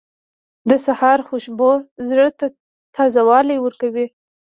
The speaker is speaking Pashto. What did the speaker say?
• د سهار خوشبو زړه ته تازهوالی ورکوي.